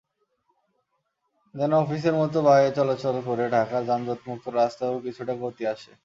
যেন অফিসের মতো বাঁয়ে চলাচল করে ঢাকার যানজটযুক্ত রাস্তায়ও কিছুটা গতি আসে।